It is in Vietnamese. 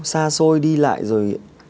xa xôi đi lại rồi